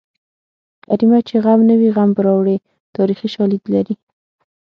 کرمیه چې غم نه وي غم به راوړې تاریخي شالید لري